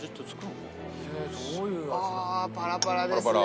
ああーパラパラですね。